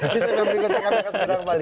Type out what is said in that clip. di saat yang akan datang kembali